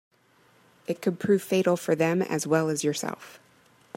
It could prove fatal for them as well as yourself.